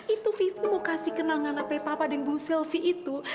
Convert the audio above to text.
itu vivi mau kasih kenang kenang apa apa dengan bu selfie itu